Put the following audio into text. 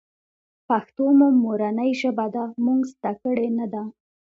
پښتو مو مورنۍ ژبه ده مونږ ذده کــــــــړې نۀ ده